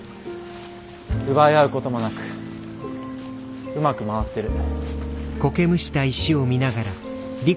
奪い合うこともなくうまく回ってる。